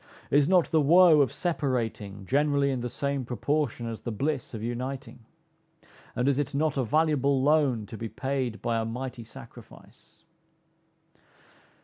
Is not the woe of separating generally in the same proportion as the bliss of uniting? And is it not a valuable loan to be paid by a mighty sacrifice?